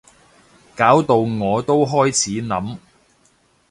搞到我都開始諗